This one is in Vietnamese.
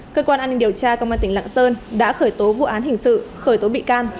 cơ quan an ninh điều tra công an tỉnh lạng sơn đã khởi tố vụ án hình sự khởi tố bị can